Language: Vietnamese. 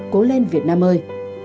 cố lên việt nam ơi